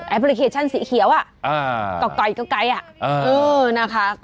แอปพลิเคชันสีเขียวอะก็ไกลจะไกลอะเออนะคะ